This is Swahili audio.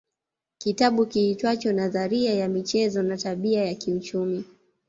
Kitabu kiitwacho nadharia ya michezo na tabia ya kiuchumi